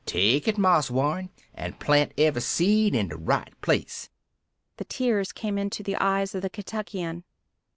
Take it, Marse Warren, an' plant every seed in de right place!" The tears came into the eyes of the Kentuckian.